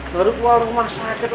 baru keluar rumah sakit